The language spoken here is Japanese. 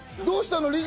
どうしたの？